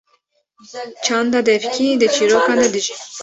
çanda devkî di çîrokan de dije.